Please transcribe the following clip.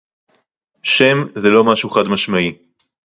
שם זה לא משהו חד-משמעי